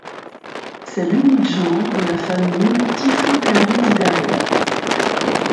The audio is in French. C'est l'unique genre de la famille Typhlocarididae.